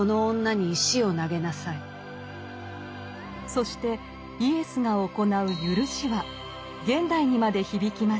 そしてイエスが行う「ゆるし」は現代にまで響きます。